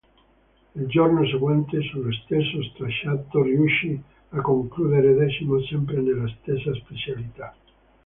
Il giorno seguente, sullo stesso tracciato, riuscì a concludere decimo sempre nella stessa specialità.